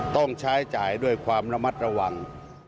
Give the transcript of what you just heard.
ต้องใช้จ่ายด้วยความระมัดระวัง